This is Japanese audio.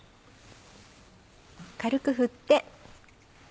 軽く振って。